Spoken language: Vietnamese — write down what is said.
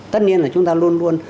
tất nhiên là chúng ta luôn luôn